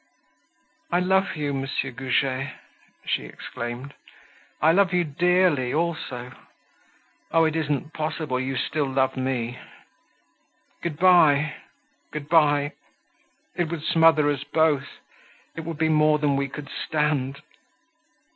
"I love you, Monsieur Goujet," she exclaimed. "I love you dearly, also. Oh! it isn't possible you still love me. Good bye, good bye; it would smother us both; it would be more than we could stand."